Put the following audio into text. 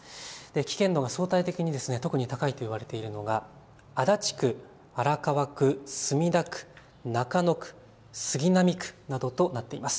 危険度が相対的に特に高いと言われているのが足立区、荒川区、墨田区、中野区、杉並区などとなっています。